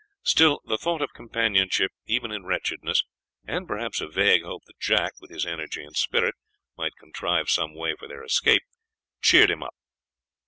Still the thought of companionship, even in wretchedness, and perhaps a vague hope that Jack, with his energy and spirit, might contrive some way for their escape, cheered him up.